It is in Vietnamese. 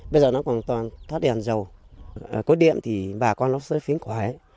bà con nó sẽ phiến khỏe